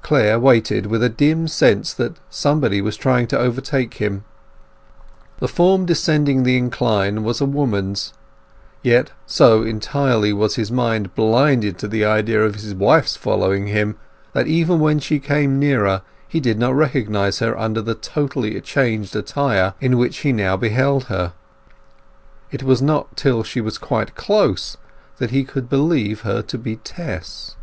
Clare waited, with a dim sense that somebody was trying to overtake him. The form descending the incline was a woman's, yet so entirely was his mind blinded to the idea of his wife's following him that even when she came nearer he did not recognize her under the totally changed attire in which he now beheld her. It was not till she was quite close that he could believe her to be Tess.